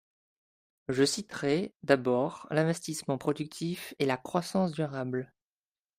Je citerai, d’abord, l’investissement productif et la croissance durable.